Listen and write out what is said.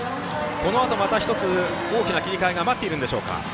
このあと、また１つ大きな切り替えが待っているんでしょうか？